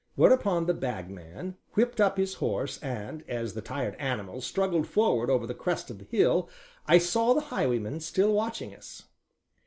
Whereupon the Bagman whipped up his horse and, as the tired animal struggled forward over the crest of the hill, I saw the highwayman still watching us.